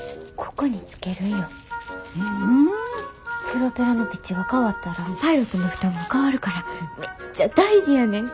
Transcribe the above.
プロペラのピッチが変わったらパイロットの負担も変わるからめっちゃ大事やねん。